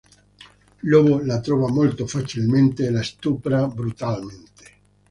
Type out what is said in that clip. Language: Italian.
Lobo la trova molto facilmente e la stupra brutalmente.